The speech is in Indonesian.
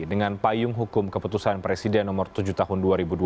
dengan payung hukum keputusan presiden nomor tujuh tahun dua ribu dua puluh